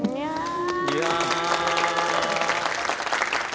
いや。